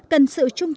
cần sự trung tâm